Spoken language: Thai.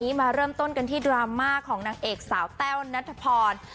มาเริ่มต้นกันที่ดราม่าของนางเอกสาวแต้วนัทพร